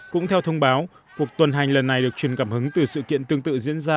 cũng theo thông báo cuộc tuần hành lần này được truyền cảm hứng từ sự kiện tương tự diễn ra